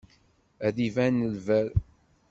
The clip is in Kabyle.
Ad d-iban lberr.